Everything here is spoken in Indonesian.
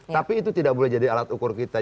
tapi itu tidak boleh jadi alat ukur kita